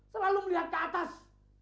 selalu melihat ke atas